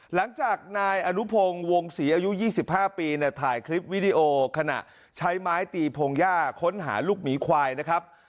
หลังจากนายอนุพงศ์วงศรีอายุ๒๕ปีเนี่ยถ่ายคลิปวิดีโอขณะใช้ไม้ตีพงหญ้าค้นหาลูกหมีควายนะครับ